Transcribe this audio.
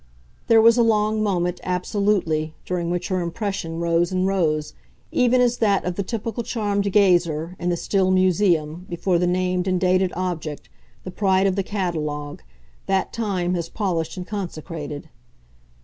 There was a long moment, absolutely, during which her impression rose and rose, even as that of the typical charmed gazer, in the still museum, before the named and dated object, the pride of the catalogue, that time has polished and consecrated.